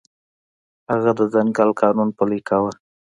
هغه د ځنګل قانون پلی کاوه.